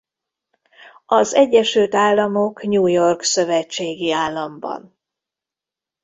Az Egyesült Államok New York szövetségi államban.